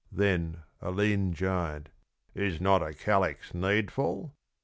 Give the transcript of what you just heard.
Then a lean giant " Is not a calyx needful?